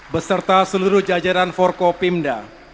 beserta seluruh jajaran forkopimda